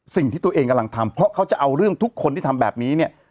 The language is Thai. สิ่งที่ตัวเองกำลังทำเพราะเขาจะเอาเรื่องทุกคนที่ทำแบบนี้เนี่ย